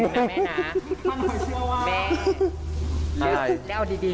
พี่บอกว่าบ้านทุกคนในที่นี่